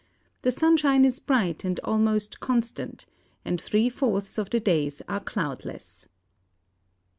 The sunshine is bright and almost constant, and three fourths of the days are cloudless."